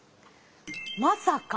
「まさか！